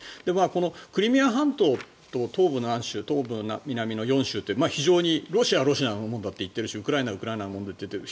このクリミア半島と東部と南の４州って非常に、ロシアはロシアのもんだと言っているしウクライナはウクライナのものだと言っている。